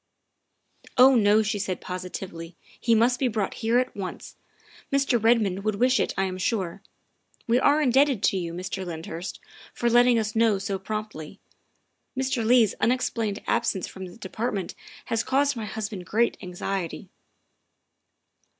" Oh, no," she said positively, " he must be brought here at once. Mr. Redmond would wish it, I am sure. "We are indebted to you, Mr. Lyndhurst, for letting us know so promptly. Mr. Leigh's unexplained absence from the Department has caused my husband great anxiety.